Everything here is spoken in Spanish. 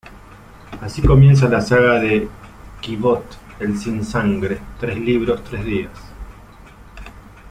Así comienza la saga de Kvothe el Sin sangre, tres libros, tres días.